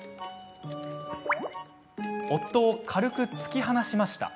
夫を軽く突き放しました。